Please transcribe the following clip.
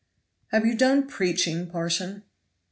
"Have you done preaching, parson?"